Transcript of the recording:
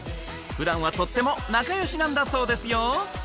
普段はとっても仲良しなんだそうですよ